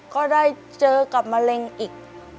ก็ได้เจอกับมะเร็งอีก